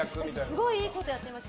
すごくいいことやってます。